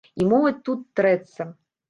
І моладзь тут трэцца.